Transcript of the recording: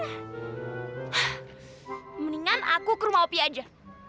hah mendingan aku ke rumah op saja